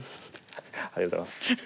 ありがとうございます。